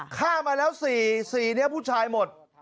ฆ่ามาแล้วสี่สี่เนี่ยผู้ชายหมด